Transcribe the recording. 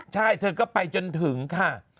ใช่เธอก็ไปจนถึงค่ะ